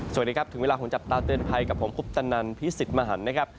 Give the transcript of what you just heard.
สวัสดีครับถึงเวลาคุณจับตาเตือนไพรกับผมคุณปุ๊บตะนันพิสิทธิ์มหันท์นะครับ